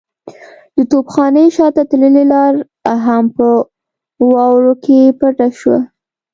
د توپخانې شاته تللې لار هم په واورو کې پټه شوه.